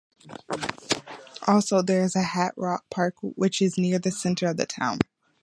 Also, there is Hat Rock Park which is near the center of the town.